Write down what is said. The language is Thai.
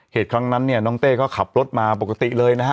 ครั้งนั้นเนี่ยน้องเต้ก็ขับรถมาปกติเลยนะฮะ